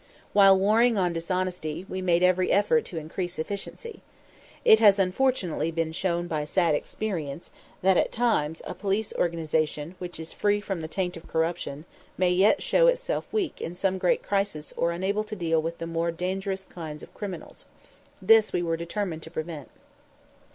While warring on dishonesty, we made every effort to increase efficiency. It has unfortunately been shown by sad experience that at times a police organization which is free from the taint of corruption may yet show itself weak in some great crisis or unable to deal with the more dangerous kinds of criminals. This we were determined to prevent.